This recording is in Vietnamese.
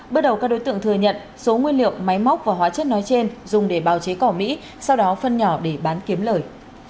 bước đầu các đối tượng thừa nhận số nguyên liệu máy móc và hóa chất nói trên dùng để bào chế cỏ mỹ sau đó phân nhỏ để bán kiếm lời